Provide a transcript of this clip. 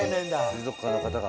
水族館の方が。